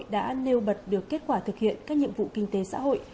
đã nêu bật được kết quả thực hiện các nhiệm vụ kinh tế xã hội